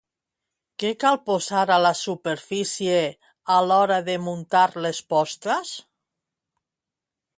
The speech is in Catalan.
Què cal posar a la superfície a l'hora de muntar les postres?